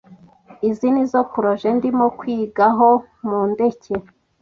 izi nizo proje ndimo kwiga ho mu ndeke